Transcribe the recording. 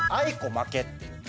負けっていう